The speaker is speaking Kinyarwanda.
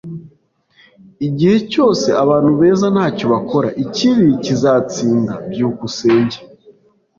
Igihe cyose abantu beza ntacyo bakora, ikibi kizatsinda. byukusenge